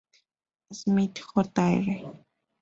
Smith Jr.